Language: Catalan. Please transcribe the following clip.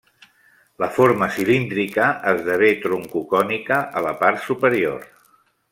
La forma cilíndrica esdevé troncocònica a la part superior.